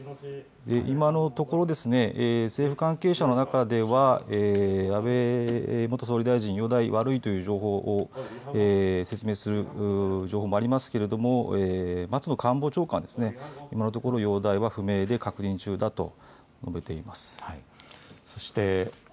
今のところ政府関係者の中では安倍元総理大臣の容体は悪いと説明する情報もありますけれども松野官房長官は今のところ容体は不明で確認中だと述べています。